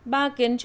ba kiến trúc sư